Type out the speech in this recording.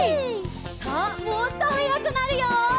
さあもっとはやくなるよ！